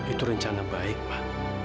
itu rencana baik ma